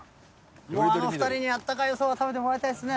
もうあの２人にあったかいそば食べてもらいたいですね。